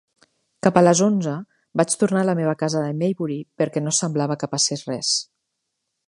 Cap a les onze, vaig tornar a la meva casa de Maybury perquè no semblava que passés res.